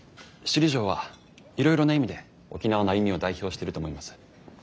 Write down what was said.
首里城はいろいろな意味で沖縄の歩みを代表してると思います。